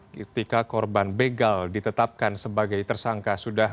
ketika korban begal ditetapkan sebagai tersangka